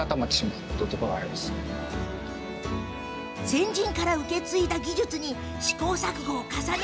先人から受け継いだ技術に試行錯誤を重ね